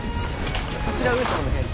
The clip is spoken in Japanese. そちら上様の部屋に。